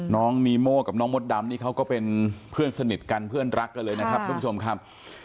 น้องนีโม่กับน้องมดดำนี่เขาก็เป็นเพื่อนสนิทกันเพื่อนรักกันเลยนะครับทุกผู้ชมครับ